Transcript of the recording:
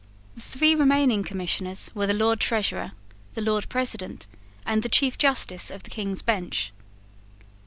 The three remaining Commissioners were the Lord Treasurer, the Lord President, and the Chief Justice of the King's Bench.